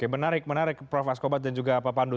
menarik menarik prof askobat dan juga pak pandu